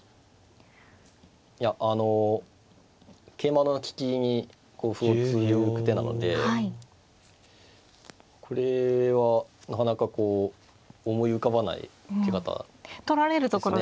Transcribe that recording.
いやあの桂馬の利きに歩を突く手なのでこれはなかなかこう思い浮かばない受け方ですね。